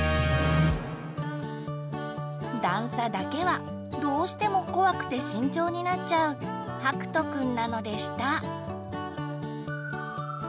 段差だけはどうしても怖くて慎重になっちゃうはくとくんなのでした！